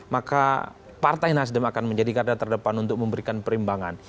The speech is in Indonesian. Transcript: maka partai nasdem akan menjadi garda terdepan untuk memberikan perimbangan